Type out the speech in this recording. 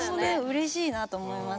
うれしいなと思います。